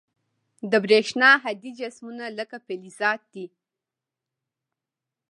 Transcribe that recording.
د برېښنا هادي جسمونه لکه فلزات دي.